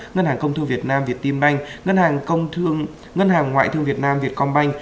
ngân hàng công thương việt nam việt tim banh ngân hàng ngoại thương việt nam việt cong banh